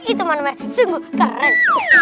itu manumanya sungguh keren